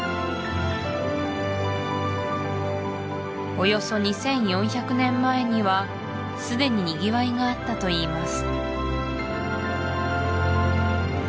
およそ２４００年前にはすでににぎわいがあったといいます